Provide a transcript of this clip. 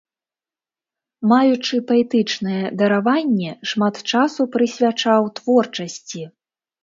Маючы паэтычнае дараванне, шмат часу прысвячаў творчасці.